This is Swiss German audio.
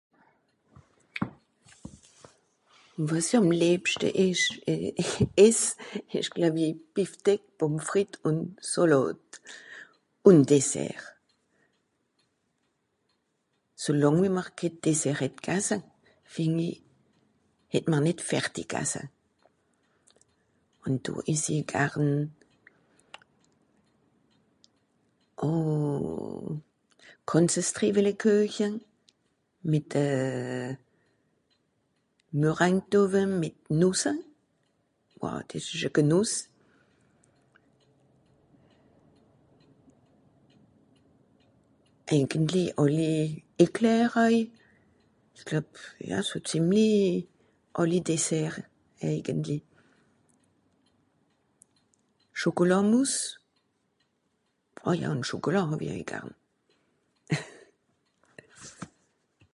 wàs'i àm lebschte esch ess ìsch gluewi Beeftek pomme frites ùn sàlàd ùn dessert solàng wiem'r kehn déssert het gasse fìngi hetm'r nìt fertig gasse ùn do essi garn oh ganzes trivelekueche mìt euh meringue dòve mìt nòsse des esch a genoss (dìnkendli) alli éclaire äw sch'glueb ja so zìmli àlli déssert eigentli chòcòlàt mousse àh ja ùn chòcòlàt hàwie äw garn